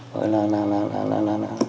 gọi là là là là là